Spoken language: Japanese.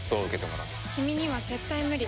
君には絶対無理。